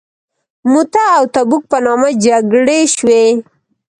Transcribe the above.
موته او تبوک په نامه جګړې شوي.